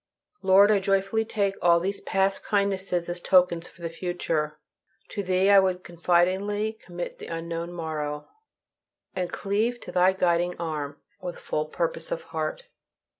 Lord, I joyfully take all these past kindnesses as tokens for the future. To Thee I would confidingly commit the unknown morrow, and cleave to Thy guiding arm with full purpose of heart.